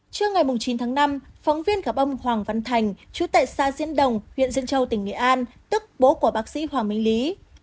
trước ngày chín tháng năm phóng viên gặp ông hoàng văn thành chú tệ xa diễn đồng huyện diễn châu tỉnh nghệ an tức bố của bác sĩ hoàng my lý